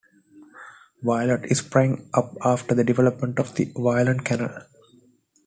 Violet sprang up after the development of the Violet Canal.